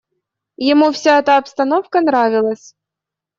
Ему вся эта обстановка нравилась.